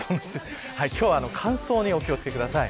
今日は乾燥にお気を付けください。